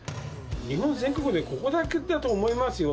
日本全国でも、ここだけだと思いますよ。